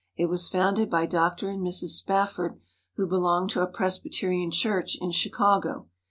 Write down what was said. It was founded by Dr. and Mrs. SpafTord, who belonged to a Presbyterian church in Chicago.